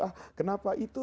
ah kenapa itu